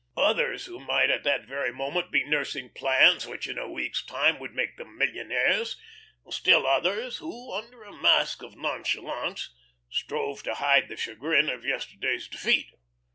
Others who might at that very moment be nursing plans which in a week's time would make them millionaires; still others who, under a mask of nonchalance, strove to hide the chagrin of yesterday's defeat.